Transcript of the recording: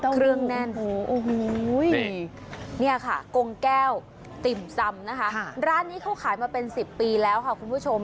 เนี้ยค่ะกงแก้วติ่มซำนะคะค่ะร้านนี้เขาขายมาเป็นสิบปีแล้วค่ะคุณผู้ชม